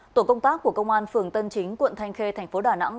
tổ công tác của công an phường tân chính quận thanh khê thành phố đà nẵng